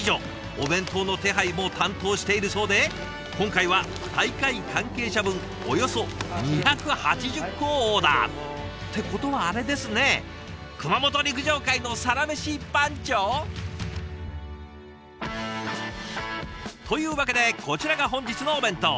お弁当の手配を担当しているそうで今回は大会関係者分およそ２８０個をオーダー。ってことはあれですね熊本陸上界のサラメシ番長？というわけでこちらが本日のお弁当。